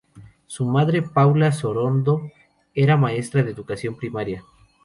Su madre, Paula Sorondo, era maestra de educación primaria.